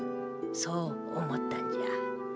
そう思ったんじゃ。